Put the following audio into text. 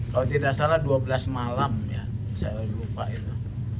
kalau tidak salah dua belas malam ya saya lupa itu